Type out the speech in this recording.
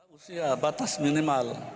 usia batas minimal